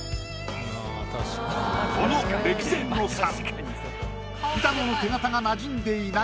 この歴然の差。